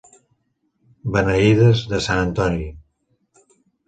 Beneïdes de Sant Antoni.